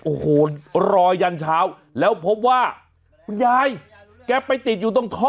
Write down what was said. โอ้โหรอยันเช้าแล้วพบว่าคุณยายแกไปติดอยู่ตรงท่อ